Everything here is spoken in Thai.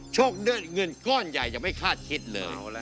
โชคด้วยเงินก้อนใหญ่จะไม่คาดคิดเลย